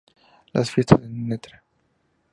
Las fiestas de Ntra.